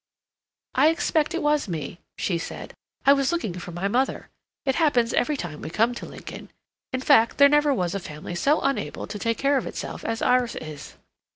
"I expect it was me," she said. "I was looking for my mother. It happens every time we come to Lincoln. In fact, there never was a family so unable to take care of itself as ours is.